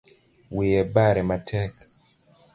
Wiye bare matek